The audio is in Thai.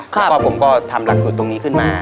แล้วก็ผมก็ทำหลักสูตรตรงนี้ขึ้นมา